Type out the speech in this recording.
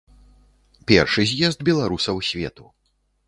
Першы з'езд беларусаў свету.